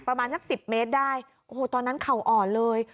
ประมาณสักสิบเมตรได้โอ้โหตอนนั้นเข่าอ่อนเลย